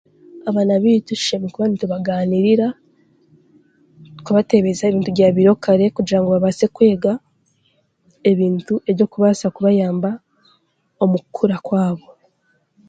Abaana baitu tushemereire kuba nitubagaanirira, kubatebeza ebintu byabaireho kare kugira ngu babaase kwega ebintu ebyokubaasa kubayamba omu kukura kwabo.